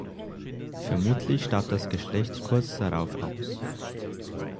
Vermutlich starb das Geschlecht kurz darauf aus.